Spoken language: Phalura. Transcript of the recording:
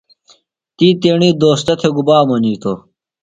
تی تیݨی دوستہ تھےۡ گُبا منِیتوۡ؟